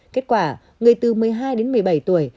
kết quả người từ một mươi hai đến một mươi bảy tuổi